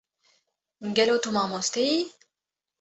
gelo tu mamoste yî?